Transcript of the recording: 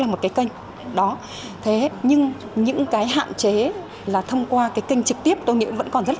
một cái kênh đó thế nhưng những cái hạn chế là thông qua cái kênh trực tiếp tôi nghĩ vẫn còn rất là